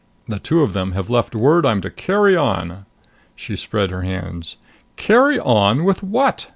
The two of them have left word I'm to carry on." She spread her hands. "Carry on with what?